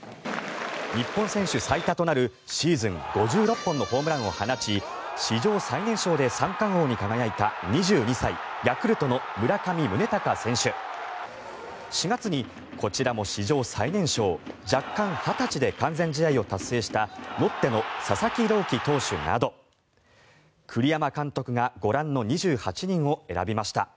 日本選手最多となるシーズン５６本のホームランを放ち史上最年少で三冠王に輝いた２２歳、ヤクルトの村上宗隆選手４月にこちらも史上最年少弱冠２０歳で完全試合を達成したロッテの佐々木朗希投手など栗山監督がご覧の２８人を選びました。